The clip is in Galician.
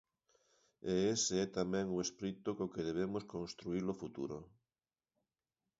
E ese é tamén o espírito co que debemos construír o futuro.